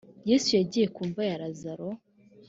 yesu yagiye ku mva ya lazaro